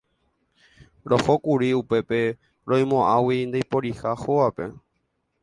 Rohókuri upépe roimo'ãgui ndaiporiha hógape.